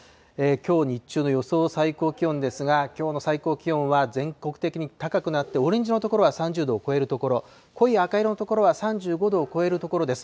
きょう日中の予想最高気温ですが、きょうの最高気温は全国的に高くなって、オレンジの所は３０度を超える所、濃い赤色の所は３５度を超える所です。